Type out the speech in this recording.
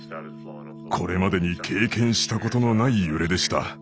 これまでに経験したことのない揺れでした。